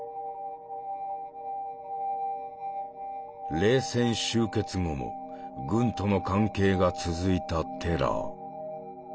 冷戦終結後も軍との関係が続いたテラー。